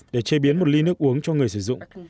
để chế biến một ly nước uống cho người sử dụng